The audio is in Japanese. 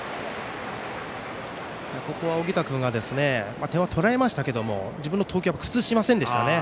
ここは小北君が点は取られましたけど自分の投球は崩しませんでしたね。